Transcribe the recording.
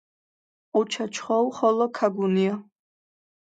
ჸუჩა ჩხოუ ხოლო ქაგუნია.